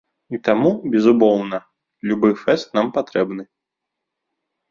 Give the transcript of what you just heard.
І таму, безумоўна, любы фэст нам патрэбны.